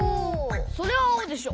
それはあおでしょ。